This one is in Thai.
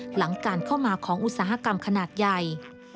หลังการเข้ามาของอุตสาหกรรมขนาดใหญ่